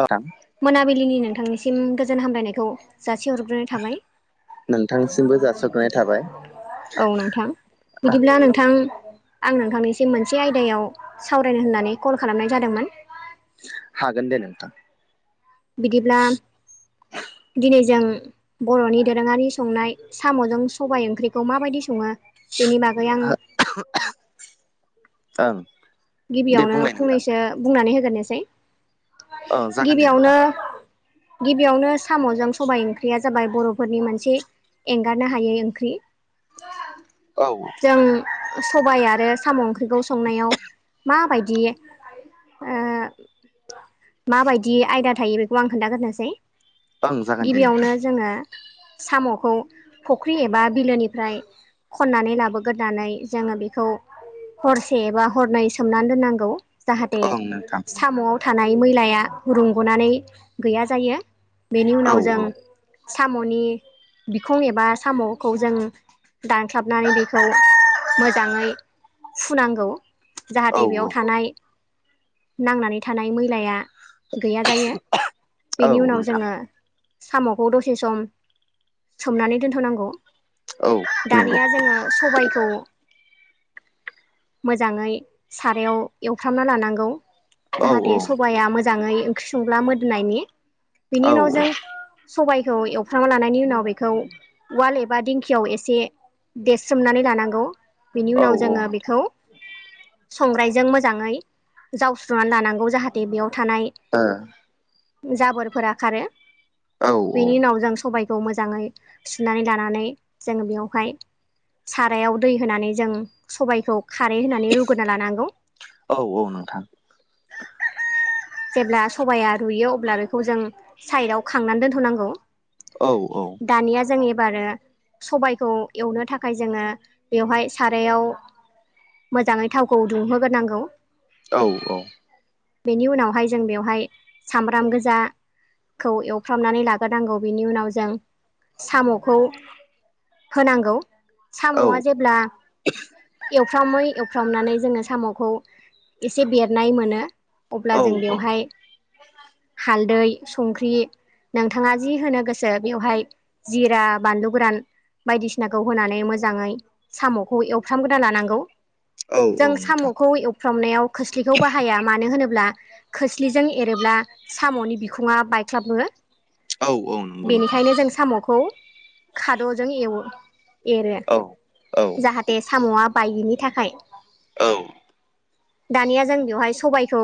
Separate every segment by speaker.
Speaker 1: औ नोंथां
Speaker 2: मोनाबिलिनि नोंथांनिसिम गोजोन हामलायनायखौ जासिहर
Speaker 1: नोंथांनिसिमबो जासिहरग्रोनाय थाबाय ।
Speaker 2: औ नोंथां बिदिब्ला नोंथां आं नोंथांनिसिम मोनसे आयदायाव सावरायनो होननानै कल खालामनाय जादोंमोन ।
Speaker 1: हागोदेे नोंथां।
Speaker 2: बिदिब्ला दिनै जों बर'नि दोरोङारि संनाय साम'जों सबाइ ओंख्रिखौ माबायदि सङो? बेनि बागै आं
Speaker 1: [unintelligible] ओम
Speaker 2: गिबियावनो फंनैसो बुंनानै होग्रनोसै
Speaker 1: ओं जागोन दे नोंथां
Speaker 2: गिबियावनो गिबियावनो साम'जों सबाय ओंख्रिया जाबाय बर'फोरनि मोनसे एंगारनो हायै ओंख्रि।
Speaker 1: औ ओं
Speaker 2: जों सबाय आरो साम' ओंख्रिखौ संनायाव माबायदि ओ माबायदि आयदा थायो बेखौ आं खोन्थाग्रोनोसै
Speaker 1: जागोन दे नोंथां
Speaker 2: गिबियावनो जोङो साम'खौ फख्रि एबा बिलोनिफ्राय खननानै लाबोग्रोनानै जोङो बेखौ हरसे एबा हरनै सो सोमनानै दोननांगौ जाहाथे
Speaker 1: ओं नोंथां
Speaker 2: साम' थानाय मैलाया रुंग'नानै गैया जायो बेनि
Speaker 1: औ
Speaker 2: उनाव जों
Speaker 1: औ
Speaker 2: साम'नि बिखं एबा साम'खौ जों दानख्लाबनानै बेखौ मोजाङै फुनांगौ।
Speaker 1: औ
Speaker 2: जाहाथे बेयाव थानाय नांनानै थानाय मैलाया गैया जायो
Speaker 1: औ
Speaker 2: बेनि उनाव
Speaker 1: नोंथां
Speaker 2: जोङो साम'खौ दसे सम सोमनानै दोनथ'नांगौ।
Speaker 1: औ नंगौ
Speaker 2: दानिया जोङो सबायखौ मोजाङै सारायाव एवफ्रामना लानांगौ
Speaker 1: औ
Speaker 2: जाहाथे
Speaker 1: औ
Speaker 2: सबाया मोजा जाङै ओंख्रि संब्ला मोदोननायनि
Speaker 1: औ
Speaker 2: बिनि उनाव जों सबायखौ एवफ्रांना लानायनि उनाव बेखौ वाल एबा दिंखियाव एसे देरस्रोमनानै लानांगौ बिनि
Speaker 1: औ
Speaker 2: उनाव
Speaker 1: औ
Speaker 2: जोङो
Speaker 1: नोंथां
Speaker 2: बेखौ संग्रायजों मोजाङै जावस्रुनानै लानांगौ जाहाथे बेयाव थानाय जाबोरफोरा खारो
Speaker 1: औ
Speaker 2: बेनि उनाव जों सबाय खौ मोजाङै सुनानै लानानै जोङो बेयावहाय सारायाव दै होनानै जों सबायखौ खारै होनानै रुगोना लानांगौ।
Speaker 1: औ नोंथां
Speaker 2: जेब्ला सबाया रुयो अब्ला बेखौ जों साइडआव खांनानै दोनथ'नांगौ।
Speaker 1: औ औ
Speaker 2: दानिया जों एबारो सबबायखौ एवनो थाखाय जोङो बेवहाय सारायाव मोजाङै थावखौ दुंहोग्रोनांगौ।
Speaker 1: औ औ
Speaker 2: बेनि उनावहाय जों बेवहाय सामब्राम गोजा खौ एवफ्रामनानै लाग्रोनांगौ बेनि उनाव जों साम'खौ होनांगौ साम'आ जेब्ला एवफ्रामो एवफ्रामनानै जोङो साम'खौ एसे बेरनाय मोनो अब्ला
Speaker 1: औ
Speaker 2: जों बेवहाय हालदै संख्रि नोंथाङा जि होनो गोसो बेवहाय जिरा बानलु गोरान बायदिसिनाखौ होनानै मोजाङै साम'खौ एवफ्रामगोना लानांगौ।
Speaker 1: औ
Speaker 2: जों
Speaker 1: औ नोंथां
Speaker 2: साम'खौ एवफ्रामनायाव खोस्लिखौ बाहाया मानो होनोब्ला खोस्लिजों एरोब्ला साम'नि बिखुङा बायख्लाबो।
Speaker 1: औ औ नंगौ नोंथां
Speaker 2: बेनिखायनो जों साम'खौ खाद'जों एवो एरो।
Speaker 1: औ औ
Speaker 2: जाहाथे साम'आ बायैनि थाखाय।
Speaker 1: औ
Speaker 2: दानिया जों बेवहाय सबायखौ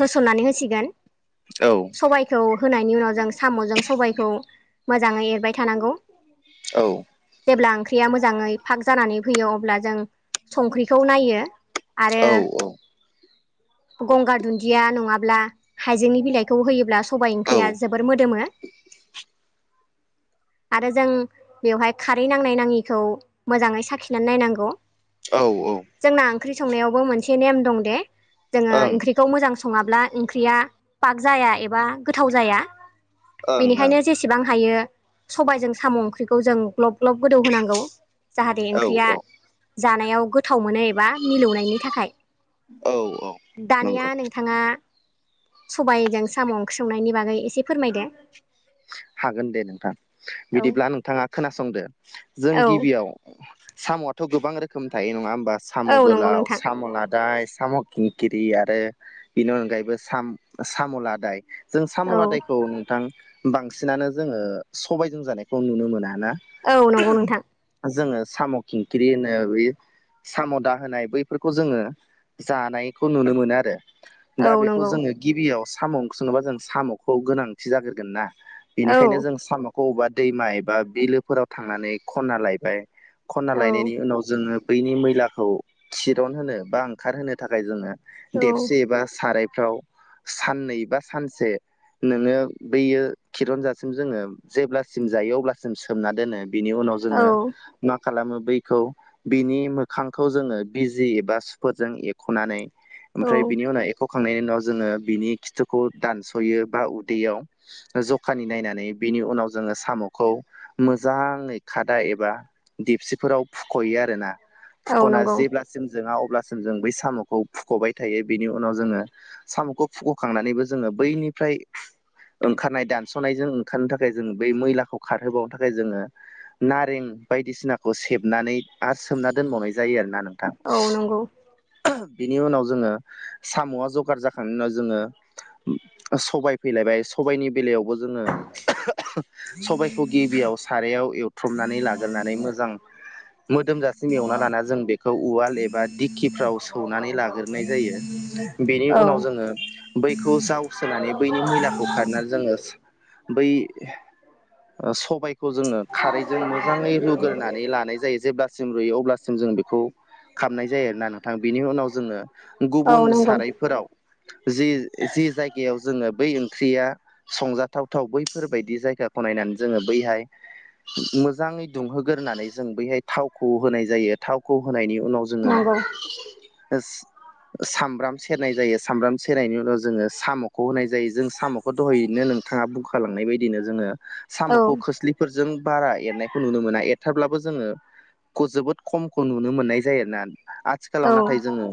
Speaker 2: होसननानै होसिगोन
Speaker 1: औ
Speaker 2: सबायखौ होनायनि उनाव जों साम'जों सबायखौ मोजाङै एरबाय थानांगौ
Speaker 1: औ
Speaker 2: जेब्ला ओंख्रिया मोजाङै फाग जानानै फैयो अब्ला जों संख्रिखौ नायो आरो गंगार दुन्दिया नङाब्ला हाइजेंनि बिलाइखौ होयोब्ला सबाइ
Speaker 1: ओं
Speaker 2: ओंख्रिया जोबोर मोदोमो आरो जों बेवहाय खारै नांनाय नाङिखौ मोजाङै साखिनानै नायनांगौ।
Speaker 1: औ औ
Speaker 2: जोंना ओंख्रि संनायावबो मोनसे नेम दं दे जोङो ओंख्रि खौ मोजां सङाब्ला ओंख्रिया पाग जाया एबा गोथाव जाया। बेनिखायनो जेसेबां हायो सबायजों साम' ओंख्रिखौ जों ग्लब ग्लब गोदौ होनांगौ जाहाथे
Speaker 1: ओं औ
Speaker 2: ओंख्रिया
Speaker 1: औ
Speaker 2: जानायाव गोथाव मोनो एबा मिलौनायनि थाखाय
Speaker 1: औ औ नंगौ
Speaker 2: दानिया नोंथाङा सबायजों साम' ओंख्रिंनायनि बागै एसे फोरमायदो।
Speaker 1: हागोन दे नोंथां
Speaker 2: औ
Speaker 1: बिदिब्ला नोंथाङा खोनासंदो। जों
Speaker 2: औ
Speaker 1: गिबियाव साम'आथ' गोबां रोखोम थायो नङा होमबा साम'
Speaker 2: औ नंगौ
Speaker 1: गोलाव
Speaker 2: नोंथां
Speaker 1: साम' लादाय साम' खिंखिरि आरो बेनि अनगायैबो साम'ला दाय जों साम'
Speaker 2: औ
Speaker 1: लादायखौ नोंथां बांसिनानो जोङो सबायजों जानायखौ नुनो मोना ना
Speaker 2: औ नंगौ नोंथां
Speaker 1: जोङो साम' खिंख्रि होनो बे साम'दा होनाय बैफोरखौ जोङो जानायखौ नुनो मोनो आरो
Speaker 2: औ
Speaker 1: दा बेखौ
Speaker 2: नंगौ
Speaker 1: जोङो गिबियाव साम' ओं सङोबा जों साम'खौ गोनांथि जाग्रगोन ना
Speaker 2: औ
Speaker 1: बेनिखायनो जों साम'खौ अबेबा दैमा एबा बिलोफोराव थांनानै खना लायबाय खना
Speaker 2: औ
Speaker 1: लायनायनि उनाव जोङो बैनि मैलाखौ थिरन होनो बा ओंखारहोनो थाखाय जोङो देबसे एबा सारायफ्राव साननै बा सानसे नोङो बैयो खिरन्जासिम जोङो जेब्लासिम जायो अब्लासिम सोमना दोनो बेनि उनाव जोङो
Speaker 2: औ
Speaker 1: म खालामो बैखौ बिनि मोखांखौ जोङो बिजि एबा सुफोरजों एब खनानै
Speaker 2: औ
Speaker 1: ओमफ्राय बिनि उनाव एख' खांनायनि उनाव जोङो बिनि खिथुखौ दानस'यो बा उदैयाव जखानि नायनानै बिनि उनाव जोङो साम'खौ मोजाङै खादा एबा दिपसिफोराव फुख'यो आरोना
Speaker 2: औ
Speaker 1: फुख'ना
Speaker 2: नंगौ
Speaker 1: जेब्ला जों जोङा अब्लासिम जों बै साम'खौ फुख'बाय थायो बेनि उनाव जोङो साम'खौ फुग'खांनानैबो जोङो बैनिफ्राय ओंखारनाय दानस'नायजों ओंखारनो थाखाय जोंङ बै मैलाखौ खारहोबावनो थाखाय जोङो नारें बायदिसिनाखौ सेबनानै आर सोमना दोनबावनाय जायो आरोना नोंथां
Speaker 2: औ नंगौ
Speaker 1: बिनि उनाव जोङो साम'आ जगार जाखांनायनि उनाव जोङो सबाय फैलायबाय सबबायनि बेलायावबो जोङो सबायखौ गिबियाव सारायाव एवथ्रमनानै लागोरनानै मोजां मोदोमजासिम एवना लाना जों बे खौ उवाल एबा दिग खिफ्राव सौनानै लाग्रोनाय जायो बेनि
Speaker 2: औ
Speaker 1: उनाव जोङो बै खौ जावसोनानै बैनि मैलाखौ खारनानै जोङो बै सबायखौ जोङो खारैजों मोजाङै रुग्रोनानै लानाय जायो जेब्ला सिम रुयो अब्लासिम जों बेखौ खालामनाय जायो आरोना नोंथां बिनि उनाव जोंनो
Speaker 2: औ
Speaker 1: गुबुन
Speaker 2: नंगौ
Speaker 1: सारायफोराव जि जि जायगायाव जोङो बै ओंख्रिया संजाथावथाव बैफोरबायायदि जायगाखौ नायनानै जोङो बैहाय मोजाङै दुंहोगोरानै जों बैहाय थावखौ होनाय जायो थावखौ होनायनि उनाव जोङो
Speaker 2: माबा
Speaker 1: [unintelligible] सामब्राम सेरनाय जायो सामब्राम सेरनायनि उनाव जोङो साम'खौ होनाय जायो जों साम' दहायैनो नोंथाङा बुंखालांनाय बायदिनो जोङो
Speaker 2: औ
Speaker 1: साम'खौ खोस्लि फोरजों बारा एरनायखौ नुनो मोना एरथाब्लाबो जोङो खौ जोबोद खमखौ नुनो मोननाय जायो आरो ना। आथिखालाव
Speaker 2: औ
Speaker 1: नाथाय जोङो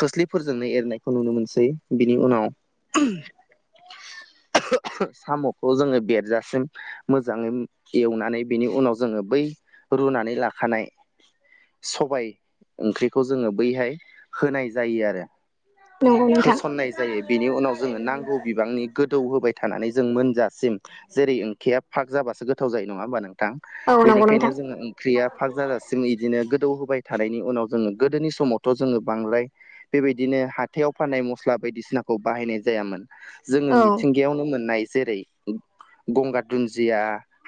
Speaker 1: खोस्लिफोरजोंनो एरनायखौ नुनो मोनसै बिनि उनाव साम'खौ जोङो बेरजासिम मोजाङै एवनानै बिनि उनाव जोङो बै रुनानै लाखानाय सबाय ओंख्रिखौ जोङो बैहाय होनाय जायो आरो
Speaker 2: नंगौ नोंथां
Speaker 1: होसननाय जायो बेनि उनाव जोङो नांगौ बिबांनि गोदौ होबाय थानानै जों मोनजासिम जेरै ओंखेया फाग जाब्लाासो गोथाव जायो नङा होमबा नोंथां
Speaker 2: औ नंगौ
Speaker 1: बेनिखायनो
Speaker 2: नोंथां
Speaker 1: जों ओंख्रिया फाग जाजासिम बिदिनो गोदौ होबाय थानायनि उनाव जोङो गोदोनि समावथ' जोङो बांद्राय बेबायदिनो हाथायाव फाननाय मस्ला बायदिसिनाखौ बाहायनाय जायामोन। जोङो
Speaker 2: औ
Speaker 1: मिथिं बियावनो मोननाय जेरै गंगार दुन्दिया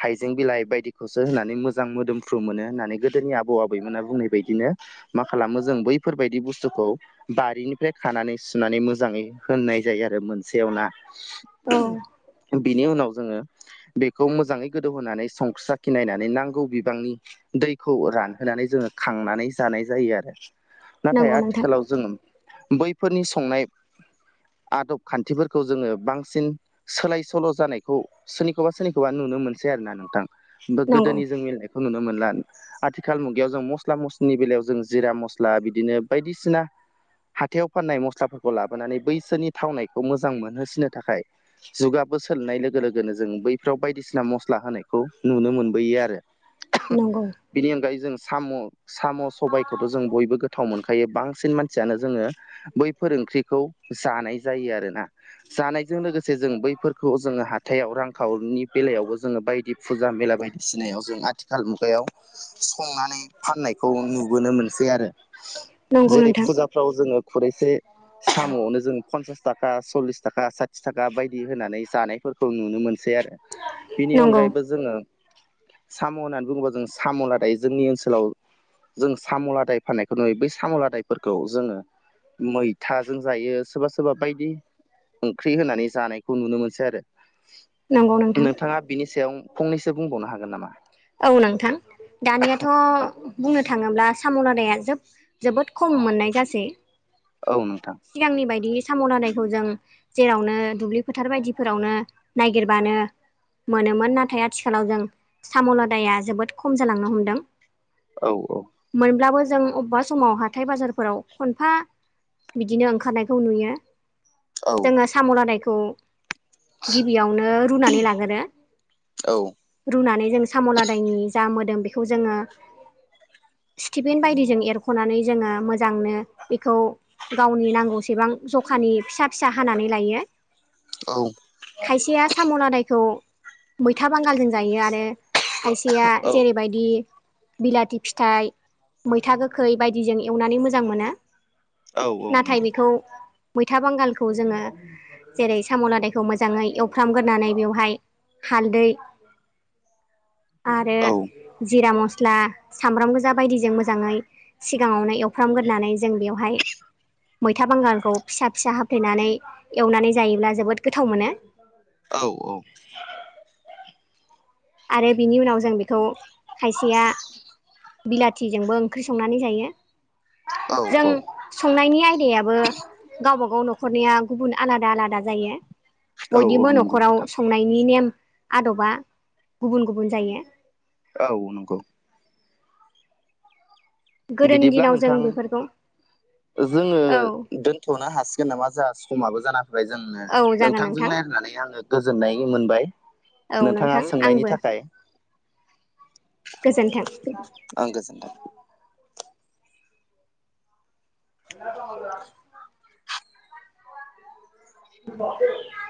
Speaker 1: हाइजें बिलाइ बायदिखौसो होननानै मोजां मोदोमफ्रु मोनो होननानै गोदोनि आबौ आबैमोना बुंनाय बायदिनो मा खालामो जों बैफोरबायदि बुस्थुखौ बारिनिफ्राय खानानै सुनानै मोजाङै होननाय जायो आरो मोनसेयाव ना?
Speaker 2: औ
Speaker 1: बिनि उनाव जोङो बेखौ मोजाङै गोदौहोनानै संख्रा खिनायनानै नांगौ बिबांनि दैखौ रानहोनानै जोङो खांनानै जानाय जायो आरो नाथाय
Speaker 2: नंगौ नोंथां
Speaker 1: आथिखालाव जों बैफोरनि संनाय आदब खान्थिफोरखौ जोङो बांसिन सोलाय सोल' जानायखौ सोरनिखौबा सोरनिखौबा नुनो मोनसै आरोना नोंथां।
Speaker 2: नंगौ
Speaker 1: गोदोनि जों मिलनायखौ नुनो मोनला आथिखाल मुगायाव जों मस्ला मस्लि नि बेलायाव जों जिरा मस्ला बिदिनो बायदिसिना हाथायाव फाननाय मस्लाफोरखौ लाबोनानै बैसोरनि थावनायखौ मोजां मोनहोसिनो थाखाय जुगाबो सोलोंनाय लोगो लोगोनो जों बैफ्राव बायदिसिना मस्ला होनायखौ नुनो मोनबोयो आरो
Speaker 2: [inaudible]
Speaker 1: बिनि अनगायै जों साम' साम' सबायखौथ' जों बयबो गोथाव मोन खायो बांसिन मानसियानो जोङो। बैफोर ओंख्रिखौ जानाय जायो आरोना जानायजों लोगोसे जों बैफोरखौ जोङो हा हाथायाइाव रांखावरिनि बेलायावबो जोङो बायदि फुजा मेला बायदिसिनायाव जों आथिखाल मुगायाव संनानै फाननायखौ नुबोनो मोनसै आरो।
Speaker 2: नंगौ
Speaker 1: जेरै
Speaker 2: नोंथां
Speaker 1: फुजाफ्राव जोङो खुरैसे साम'नो जों फनसास था थाखा सललिस थाखा साथिस थाखा बायदि होनानै जानायफोरखौ नुनो मोनसै आरो। बिनि
Speaker 2: नंगौ
Speaker 1: अनगायैबो जोङो साम' होननानै बुङोबा जों साम'ला दायो जोंनि ओनसोलाव जों साम'लादाय फाननायखौ नुयो बै साम'लादायफोरखौ जोङो मैथाजों जायो सोरबा सोरबा बायदि ओंख्रि होनानै जानायखौ नुनो मोनसै आरो।
Speaker 2: नंगौ नोंथां
Speaker 1: नोंथाङा बिनि सायाव फंनैसो बुंबावनो हागोन नामा?
Speaker 2: औ नोंथां दानियाथ'
Speaker 1: औ
Speaker 2: बुंनो थाङोब्ला साम'लदाया जोब जोबोद खम मोननाय जासै
Speaker 1: औ नोंथां।
Speaker 2: सिगांनि बायदि साम' दानायखौ जों जेरावनो दुब्लि फोथार बायदिफोरावनो नायागिरबानो मोनोमोन नाथाय आथिखालाव जों सामलदाया जोबोद खम जालांनो हमदों।
Speaker 1: औ औ।
Speaker 2: मोनब्लाबो जों अबेबा समाव हाथाय बाजारफोराव खनफा बिदिनो ओंखारनायखौ नुयो
Speaker 1: औ
Speaker 2: जोङो साम'लादायखौ गिबियावनो रुनानै लाग्रो।
Speaker 1: औ
Speaker 2: रुनानै जों साम'लादायनि जा मोदोम बेखौ जोङो स्टिफिन बायदिजों एरख'नानै जोङो मोजांनो बेखौ गावनि नांगौसेबां जखानि फिसा फिसा हानानै लायो
Speaker 1: औ
Speaker 2: खायसेया साम'ना आदायखौ मैथा बांगालजों जायो आरो खायसेया
Speaker 1: औ
Speaker 2: जेरै बायदि बिलाथि फिथाइ मैथा गोखै बायदिजों एवनानै मोजां मोनो।
Speaker 1: औ औ
Speaker 2: नाथाय
Speaker 1: नंगौ
Speaker 2: बेखौ मैथा बांगालखौ जोङो जेरै साम' लादायखौ मोजाङै एवफ्रामग्रोनानै बेवहाय हालदै
Speaker 1: औ
Speaker 2: आरो जिरा मस्ला सामब्राम गोजा बायदिजों मोजाङै सिगाङावनो एवफ्रामग्रोनानै जों बेवहाय मैथा बांगालखौ फिसा फिसा हाफ्लेनानै एवनानै जायोब्ला जोबोद गोथाव मोनो [unintelligible]
Speaker 1: औ औ
Speaker 2: आरो बिनि उनाव जों बेखौ खायसेया बिलाथिजोंबो ओंख्रि संनानै जायो
Speaker 1: औ
Speaker 2: जों
Speaker 1: औ
Speaker 2: संनायनि आयदायाबो गावबागाव न'खरनिया गुबुन आलादा आलादा जायो
Speaker 1: औ औ
Speaker 2: बयनिबो
Speaker 1: नंगौ
Speaker 2: न'खराव
Speaker 1: नोंथां
Speaker 2: संनायनि नेम आदबा गुबुन गुबुन जायो
Speaker 1: औ नोंगौ
Speaker 2: गोदोनि
Speaker 1: बिदिब्ला
Speaker 2: दिनाव जों
Speaker 1: नोंथां
Speaker 2: बेफोरखौ
Speaker 1: जोङो
Speaker 2: औ
Speaker 1: दोन थ'नो हासिगोन नामा जा समाबो जानां ओमफ्राय जोंनो
Speaker 2: औ जागोन
Speaker 1: नोंथांजों
Speaker 2: नोंथां
Speaker 1: रायलायनानै आङो गोजोननाय मोनबाय
Speaker 2: औ
Speaker 1: नोंथाङा
Speaker 2: नोंथां
Speaker 1: सोंनायनि
Speaker 2: आंबो
Speaker 1: थाखाय
Speaker 2: गोजोनथों
Speaker 1: ओं गोजोनथों
Speaker 2: [inaudible] [inaudible]